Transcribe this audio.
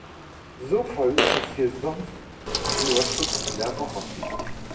So voll ist es hier sonst nur zur Kieler Woche.